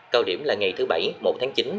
cao điểm là ngày thứ bảy một tháng chín